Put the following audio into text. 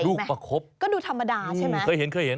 ลูกประคบเคยเห็นดูธรรมดาใช่ไหม